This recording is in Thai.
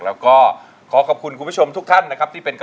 และก็ขอบคุณคุณผู้ชมทุกท่าน